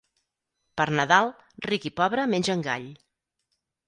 Per Nadal, ric i pobre mengen gall.